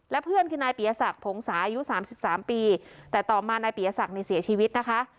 และเพื่อนคือนายปียศักดิ์ผงศาอายุ๓๓ปีแต่ต่อมานายปียศักดิ์เสียชีวิตนะคะ